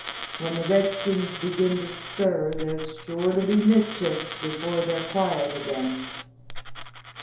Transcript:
When the redskins begin to stir there's sure to be mischief before they're quiet again."